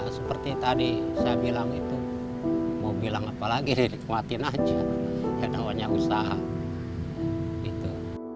seperti tadi saya bilang itu mau bilang apa lagi dikuatin aja ya namanya usaha itu